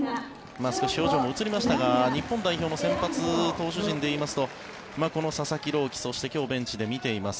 少し表情も映りましたが日本先発の投手陣でいいますとこの佐々木朗希そして今日、ベンチで見ています